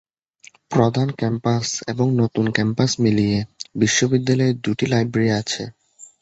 প্রধান ক্যাম্পাস এবং নতুন ক্যাম্পাস মিলিয়ে বিশ্ববিদ্যালয়ে দুটি লাইব্রেরি আছে।